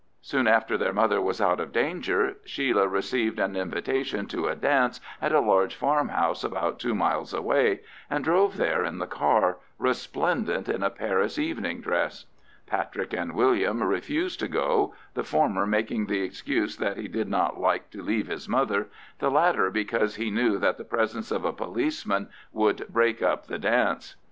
Soon after their mother was out of danger Sheila received an invitation to a dance at a large farmhouse about two miles away, and drove there in the car, resplendent in a Paris evening dress. Patrick and William refused to go, the former making the excuse that he did not like to leave his mother, the latter because he knew that the presence of a policeman would break up the dance.